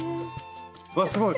わっすごい！